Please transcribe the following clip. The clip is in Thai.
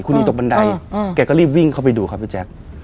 คุณีตกบันไดแกก็รีบวิ่งเข้าไปดูครับพี่แจ๊ค